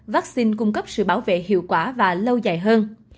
vaccine cung cấp sự bảo vệ hiệu quả và lâu dài hơn